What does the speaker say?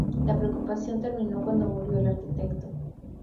La preocupación terminó cuando murió el arquitecto.